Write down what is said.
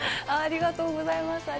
ありがとうございます。